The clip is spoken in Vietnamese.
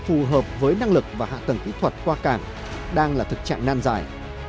phù hợp với năng lực và hạ tầng kỹ thuật qua cảng đang là thực trạng nan dài